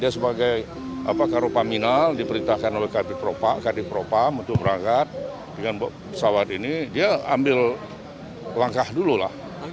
dia sebagai karopaminal diperintahkan oleh kadipropam untuk berangkat dengan pesawat ini dia ambil langkah dulu lah